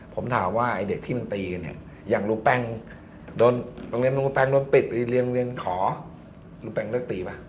ผมถามว่าเด็กที่มันตีกันเนี่ยอย่างรูแป้งโรงเรียนรูแป้งโดนปิดเรียนรูแป้งขอรูแป้งเลิกตีป่ะ